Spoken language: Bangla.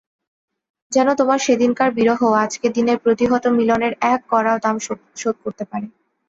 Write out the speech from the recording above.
যেন তোমার সেদিনকার বিরহ আজকের দিনের প্রতিহত মিলনের এক কড়াও দাম শোধ করতে পারে!